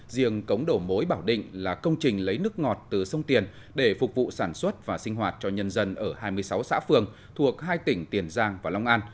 riêng cống đổ mối bảo định là công trình lấy nước ngọt từ sông tiền để phục vụ sản xuất và sinh hoạt cho nhân dân ở hai mươi sáu xã phường thuộc hai tỉnh tiền giang và long an